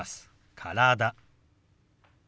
「体」。